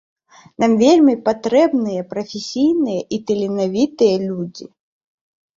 Нам вельмі патрэбныя прафесійныя і таленавітыя людзі.